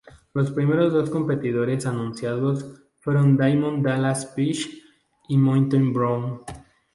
Los primeros dos competidores anunciados fueron Diamond Dallas Page y Monty Brown.